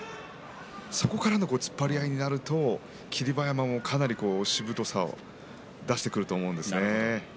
そこからの突っ張り合いになると霧馬山もかなりしぶとさを出してくると思うんですよね。